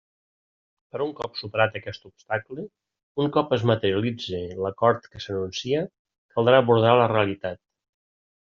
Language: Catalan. Però un cop superat aquest obstacle, un cop es materialitzi l'acord que s'anuncia, caldrà abordar la realitat.